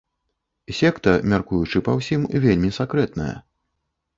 Секта, мяркуючы па ўсім, вельмі сакрэтная.